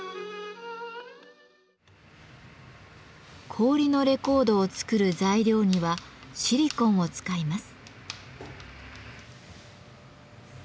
氷のレコードを作る材料にはシリコンを使います。